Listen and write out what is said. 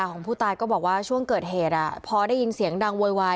ของผู้ตายก็บอกว่าช่วงเกิดเหตุพอได้ยินเสียงดังโวยวาย